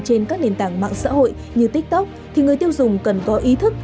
trên các nền tảng mạng xã hội như tiktok thì người tiêu dùng cần có ý thức